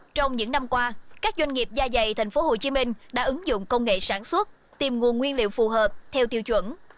trong những năm qua các doanh nghiệp gia dày tp hcm đã ứng dụng công nghệ sản xuất tìm nguồn nguyên liệu phù hợp theo tiêu chuẩn